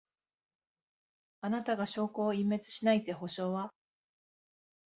あなたが証拠を隠滅しないって保証は？